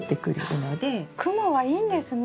クモはいいんですね。